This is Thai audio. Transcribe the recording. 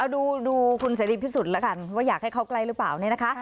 ดูคุณสายลิฟท์ที่สุดแล้วกันว่าอยากให้เขาใกล้หรือเปล่า